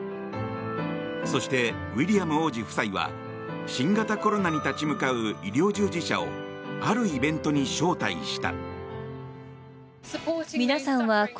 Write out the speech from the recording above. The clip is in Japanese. そしてウィリアム王子夫妻は新型コロナに立ち向かう医療従事者をあるイベントに招待した。